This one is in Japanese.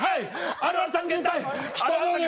あるある探検隊！